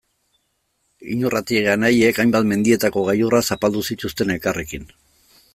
Iñurrategi anaiek hainbat mendietako gailurrak zapaldu zituzten elkarrekin.